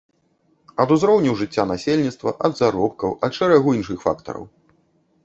Ад узроўню жыцця насельніцтва, ад заробкаў, ад шэрагу іншых фактараў.